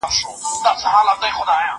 لعنتي د بنده گانو او بادار سوم